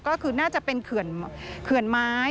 ก็คือน่าจะเป็นเขื่อนไม้